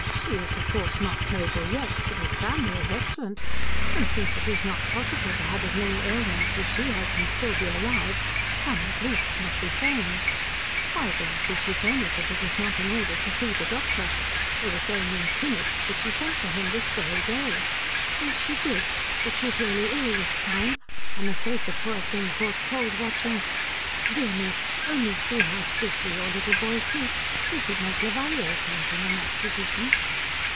He is of course not noble yet, but his family is excellent. And since it is not possible to have as many ailments as she has and still be alive, some at least must be feigned. Why, then, should she feign if it is not in order to see the doctor? They were saying in Kunitz that she sent for him this very day." "Yes, she did. But she's really ill this time. I'm afraid the poor thing caught cold watching dear me, only see how sweetly your little boy sleeps. You should make Levallier paint him in that position."